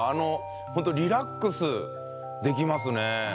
ほんとリラックスできますね。